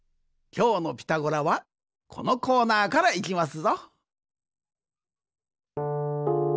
きょうの「ピタゴラ」はこのコーナーからいきますぞ。